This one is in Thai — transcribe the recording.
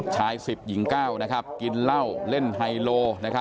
๑๐หญิง๙กินเหล้าเล่นไฮโล